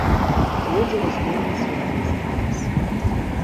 Людзі разбегліся ў блізкі лес.